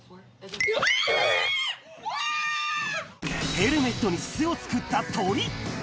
ヘルメットに巣を作った鳥。